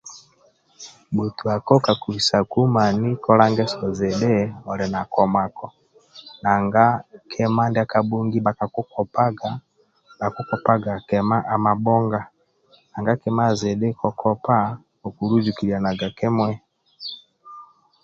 botwako kaku bhisaku mani kola ngeso zidhi oli na komako nanga kima ndiaka bongi koku kopaga oku kopaga kima amabonga nanga kima zidhi kokooa okulujukilyanaga kimui